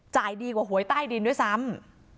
จ่ายดีกว่าหวยใต้ดินด้วยซ้ำ